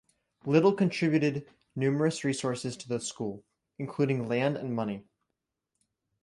Little contributed numerous resources to the school, including land and money.